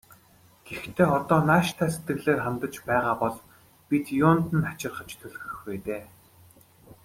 Гэхдээ одоо нааштай сэтгэлээр хандаж байгаа бол бид юунд нь хачирхаж түлхэх вэ дээ.